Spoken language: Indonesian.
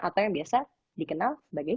atau yang biasa dikenal sebagai